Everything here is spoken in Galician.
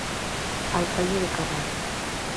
Alcalde de Carral.